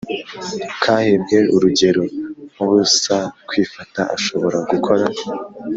Kahebwe urugero nk ubusakwifata ashobora gukora